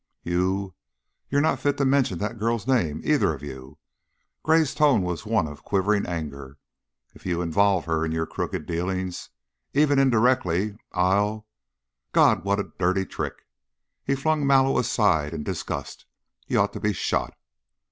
"You you're not fit to mention that girl's name, either of you." Gray's tone was one of quivering anger. "If you involve her in your crooked dealings, even indirectly, I'll God! What a dirty trick." He flung Mallow aside in disgust. "You ought to be shot."